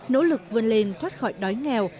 nỗ lực vươn lên thoát khỏi đói nghèo